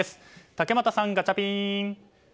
竹俣さん、ガチャピン！